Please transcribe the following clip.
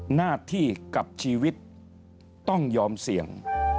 หน้าที่กับชีวิตต้องยอมเสี่ยง